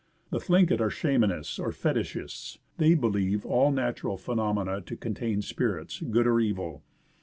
The Thlinket are schamdnists or fetichists ; they believe all natural phenomena to contain spirits, good or evil.